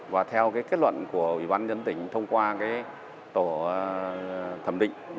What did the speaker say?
và theo cái kết luận của ủy ban nhân tỉnh thông qua cái tổ thẩm định